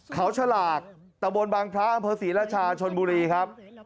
เขาฉลากตะบนบางพระอำเภอศรีราชาชนบุรีครับ